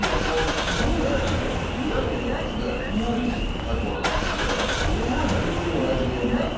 すごい久しぶりにおやじを見た顔。